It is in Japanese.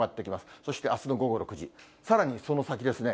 そしてあすの午後６時、さらにその先ですね。